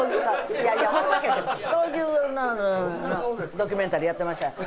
いやいや闘牛ドキュメンタリーやってました。